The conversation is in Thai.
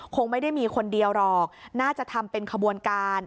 คงไม่ได้มีคนเดียวหรอกน่าจะทำเป็นขบวนการ